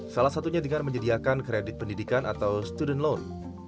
salah satunya dengan menyediakan kredit pendidikan atau student loan